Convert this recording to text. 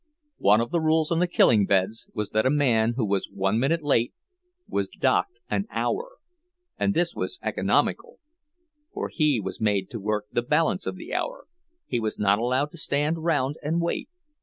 One of the rules on the killing beds was that a man who was one minute late was docked an hour; and this was economical, for he was made to work the balance of the hour—he was not allowed to stand round and wait.